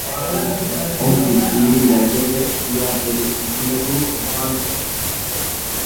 Ontziz ibil daiteke ia bere ibilgu osoan zehar.